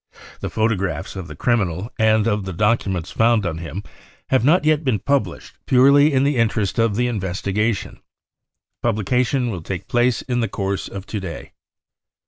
The photographs of the criminal and of the documents found on him have not yet been published purely in the interests of the investigation. Publication will take place in the course of to day.